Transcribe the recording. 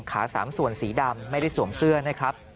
สามส่วนสีดำไม่ได้สวมเสื้อนะครับ